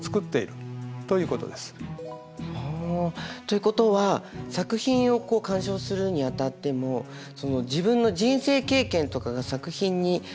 ふんということは作品を鑑賞するにあたっても自分の人生経験とかが作品に反映されるということですね。